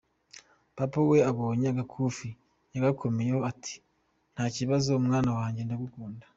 Papa we abonye ko agakufi yagakomeyeho ati nta kibazo mwana wanjye! Ndagukunda.